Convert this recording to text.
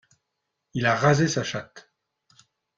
Il a rasé sa chatte.